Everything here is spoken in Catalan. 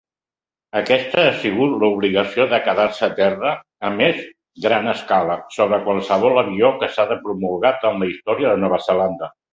Aquesta ha sigut l'obligació de quedar-se a terra a més gran escala sobre qualsevol avió que s'ha promulgat en la història de Nova Zelanda.